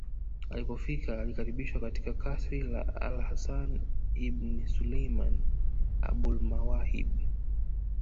Alipofika alikaribishwa katika kasri la alHasan ibn Sulaiman AbulMawahib